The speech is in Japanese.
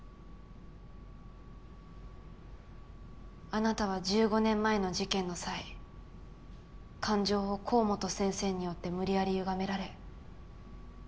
あなたは１５年前の事件の際感情を甲本先生によって無理やり歪められ。